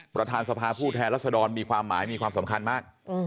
ประธานสภาผู้แทนรัศดรมีความหมายมีความสำคัญมาก